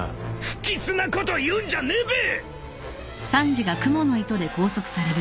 ［不吉なこと言うんじゃねえべ！］